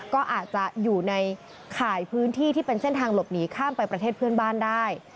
ก็อาจจะอยู่ในข่ายพื้นที่ที่เป็นเส้นทางหลบหนีข้ามไปประเทศเพื่อนบ้านได้